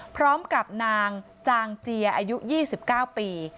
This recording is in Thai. พร้อมกับนางจางเจียอายุ๒๙ปี